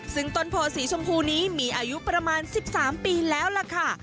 ซึ่งต้นโพสีชมพูนี้มีอายุประมาณ๑๓ปีแล้วล่ะค่ะ